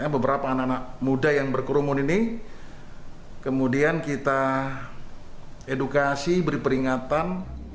beberapa anak anak muda yang berkerumun ini kemudian kita edukasi beri peringatan